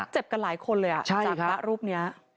เจ็บกันหลายคนเลยอ่ะจากรูปนี้